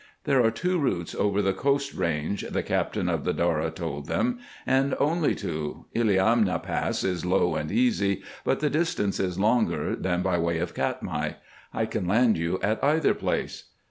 "There are two routes over the coast range," the captain of the Dora told them, "and only two. Illiamna Pass is low and easy, but the distance is longer than by way of Katmai. I can land you at either place."